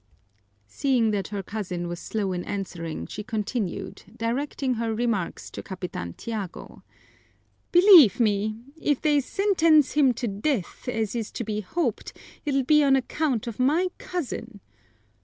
Seeing that her cousin was slow in answering, she continued, directing her remarks to Capitan Tiago, "Believe me, if they zentenz him to death, as is to be hoped, it'll be on account of my cousin."